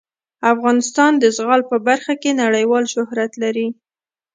افغانستان د زغال په برخه کې نړیوال شهرت لري.